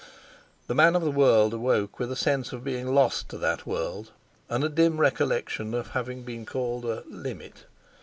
The man of the world awoke with a sense of being lost to that world, and a dim recollection of having been called a "limit."